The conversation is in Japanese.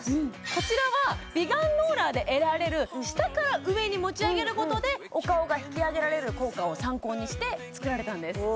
こちらは美顔ローラーで得られる下から上に持ち上げることでお顔が引き上げられる効果を参考にして作られたんですおお